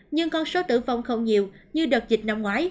nhưng con số tử vong không nhiều như đợt dịch năm ngoái